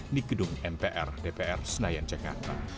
di gedung mpr dpr senayan jakarta